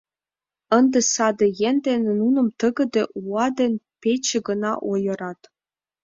Ынде саде еҥ дене нуным тыгыде уа да пече гына ойырат.